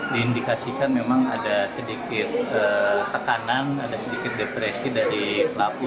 diindikasikan memang ada sedikit tekanan ada sedikit depresi dari pelaku